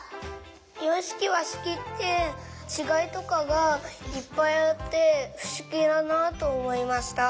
ようしきわしきってちがいとかがいっぱいあってふしぎだなとおもいました。